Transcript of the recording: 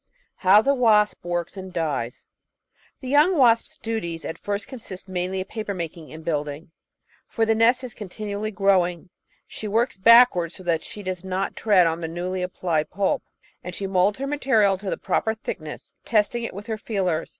How the Wasp Works and Dies The young wasp's duties at first consist mainly of paper making and building, for the nest is continually growing. She works backwards so that she does not tread on the newly applied pulp, and she moulds her material to the proper thickness, test ing it with her feelers.